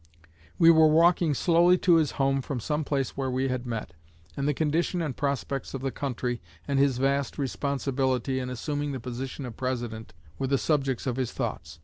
"We were walking slowly to his home from some place where we had met, and the condition and prospects of the country, and his vast responsibility in assuming the position of President, were the subjects of his thoughts.